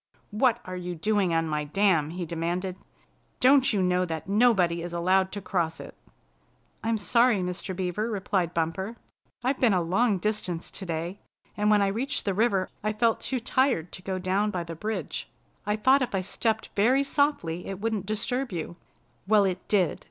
"What are you doing on my dam?" he demanded. "Don't you know that nobody is allowed to cross it?" "I'm sorry, Mr. Beaver," replied Bumper. "I've been a long distance today, and when I reached the river I felt too tired to go down by the bridge. I thought if I stepped very softly it wouldn't disturb you." "Well, it did!